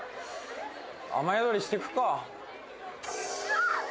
雨宿りしてくか。